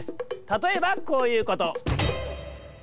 たとえばこういうこと。